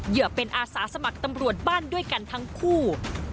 เหยื่อเป็นอาสาสมัครตำรวจบ้านด้วยกันทั้งคู่